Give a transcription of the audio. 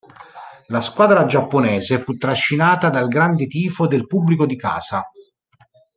La squadra giapponese fu trascinata dal grande tifo del pubblico di casa.